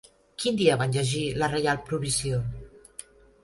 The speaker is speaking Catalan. Quin dia van llegir la reial provisió?